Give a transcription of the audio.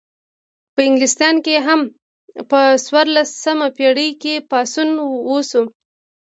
په انګلستان کې هم په څوارلسمه پیړۍ کې پاڅون وشو.